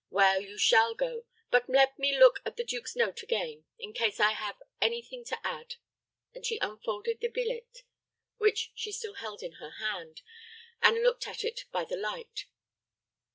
"Well, you shall go; but let me look at the duke's note again, in case I have any thing to add;" and she unfolded the billet, which she still held in her hand, and looked at it by the light.